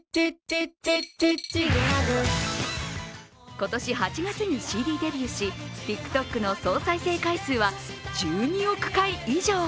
今年８月にＣＤデビューし、ＴｉｋＴｏｋの総再生回数は１２億回以上。